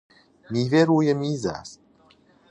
میوه روی میز است